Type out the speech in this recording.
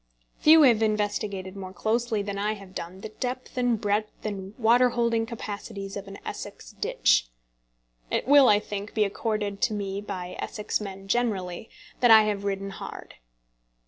Few have investigated more closely than I have done the depth, and breadth, and water holding capacities of an Essex ditch. It will, I think, be accorded to me by Essex men generally that I have ridden hard.